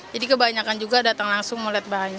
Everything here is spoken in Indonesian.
jadi kebanyakan juga datang langsung mau lihat bahannya